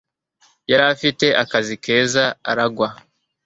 Yari afite akazi keza aragwa